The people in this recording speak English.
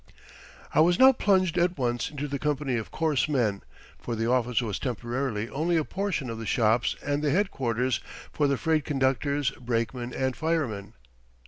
I was now plunged at once into the company of coarse men, for the office was temporarily only a portion of the shops and the headquarters for the freight conductors, brakemen, and firemen.